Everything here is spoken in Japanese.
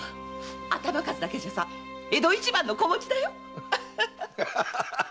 頭数だけなら江戸一番の子持ちだよ！